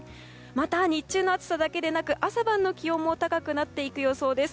また日中の暑さだけでなく朝晩の気温も高くなっていく予想です。